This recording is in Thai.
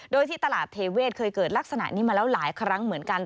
โดยที่ตลาดเทเวศเคยเกิดลักษณะนี้มาแล้วหลายครั้งเหมือนกัน